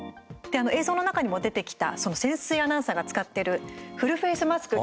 映像の中にも出てきた潜水アナウンサーが使っているフルフェースマスク